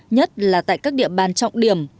nhất là tại các địa bàn trọng điểm